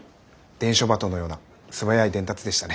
伝書鳩のような素早い伝達でしたね。